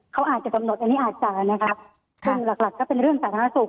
เขาอาจจะกำหนดอันนี้อาจจะนะครับซึ่งหลักหลักก็เป็นเรื่องสาธารณสุข